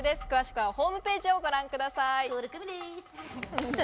詳しくはホームページをご覧ください。